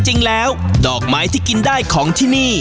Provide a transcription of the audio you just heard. จริงแล้วดอกไม้ที่กินได้ของที่นี่